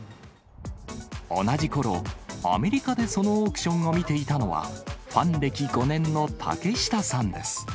同じころ、アメリカでそのオークションを見ていたのは、ファン歴５年の竹下さんです。